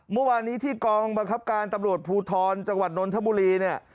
เมื่อวานนี้ที่กองบังคับการตำรวจภูทรจังหวัดนนทบุรีเนี่ย